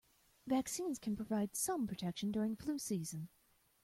Vaccines can provide some protection during flu season.